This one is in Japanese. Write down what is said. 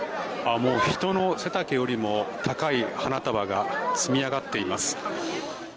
人の背丈よりも高い花束が積み上がっています。